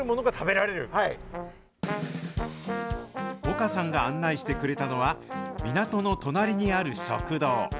岡さんが案内してくれたのは、港の隣にある食堂。